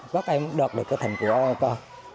các em đạt được cái thành phố